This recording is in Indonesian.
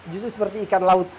justru seperti ikan laut